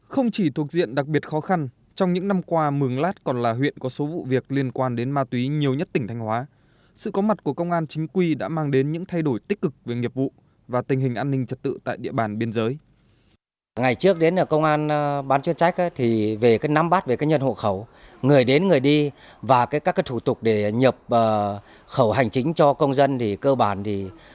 không chỉ thuộc diện đặc biệt khó khăn trong những năm qua mường lát còn là huyện có số vụ việc liên quan đến ma túy nhiều nhất tỉnh thanh hóa sự có mặt của công an chính quy đã mang đến những thay đổi tích cực về nghiệp vụ và tình hình an ninh trật tự tại địa bàn biên giới